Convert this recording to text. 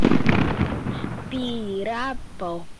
Pirapó